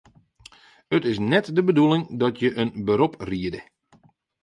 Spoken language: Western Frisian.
It is net de bedoeling dat je in berop riede.